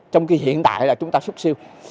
trong khi hiện tại chúng ta là xuất siêu